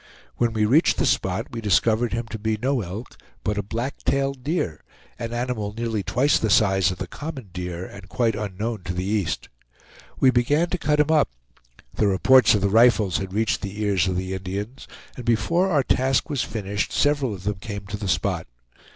When we reached the spot we discovered him to be no elk, but a black tailed deer, an animal nearly twice the size of the common deer, and quite unknown to the East. We began to cut him up; the reports of the rifles had reached the ears of the Indians, and before our task was finished several of them came to the spot.